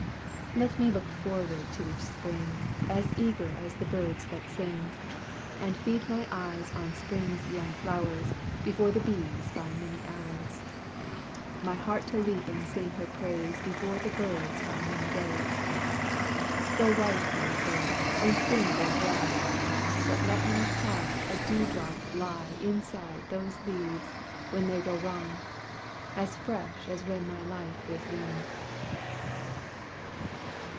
Let me look forward to each spring As eager as the birds that sing; And feed my eyes on spring's young flowers Before the bees by many hours, My heart to leap and sing her praise Before the birds by many days. Go white my hair and skin go dry But let my heart a dewdrop lie Inside those leaves when they go wrong, As fresh as when my life was young.